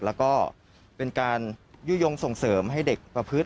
แล้วก็เป็นการยุโยงส่งเสริมให้เด็กประพฤติ